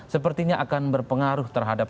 sepertinya akan berpengaruh terhadap